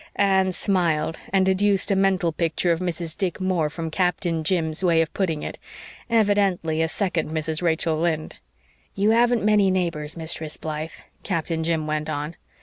Anne smiled, and deduced a mental picture of Mrs. Dick Moore from Captain Jim's way of putting it; evidently a second Mrs. Rachel Lynde. "You haven't many neighbors, Mistress Blythe," Captain Jim went on.